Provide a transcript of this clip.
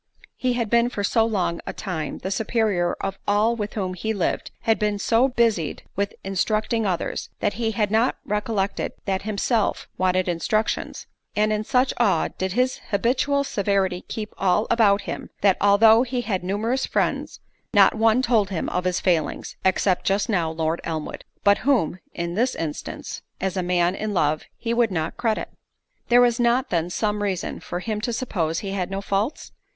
He had been for so long a time the superior of all with whom he lived, had been so busied with instructing others, that he had not recollected that himself wanted instructions—and in such awe did his habitual severity keep all about him, that although he had numerous friends, not one told him of his failings—except just now Lord Elmwood, but whom, in this instance, as a man in love, he would not credit. Was there not then some reason for him to suppose he had no faults?